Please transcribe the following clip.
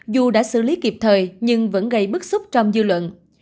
dù đã xử lý kịp thời nhưng vẫn gây bức xúc trong dư luận